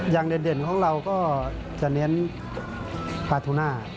เด่นของเราก็จะเน้นปลาทูน่า